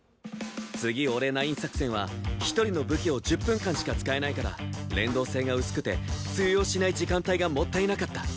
「次俺９」作戦は１人の武器を１０分間しか使えないから連動性が薄くて通用しない時間帯がもったいなかった。